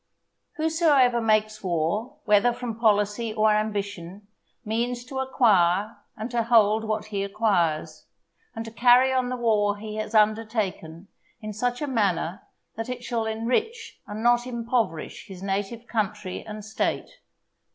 Whosoever makes war, whether from policy or ambition, means to acquire and to hold what he acquires, and to carry on the war he has undertaken in such a manner that it shall enrich and not impoverish his native country and State.